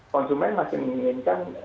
konsumen masih menginginkan